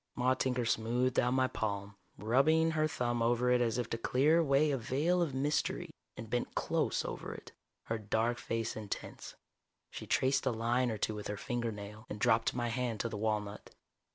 Maude Tinker smoothed out my palm, rubbing her thumb over it as if to clear away a veil of mystery, and bent close over it, her dark face intense. She traced a line or two with her fingernail, and dropped my hand to the walnut.